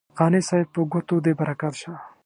قانع صاحب په ګوتو دې برکت شه.